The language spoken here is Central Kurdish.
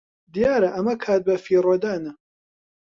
دیارە ئەمە کات بەفیڕۆدانە.